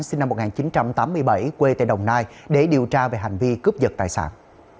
sinh năm một nghìn chín trăm tám mươi bảy quê tại đồng nai để điều tra về hành vi cướp giật tài sản